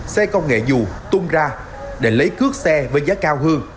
xe công nghệ dù tung ra để lấy cướp xe với giá cao hơn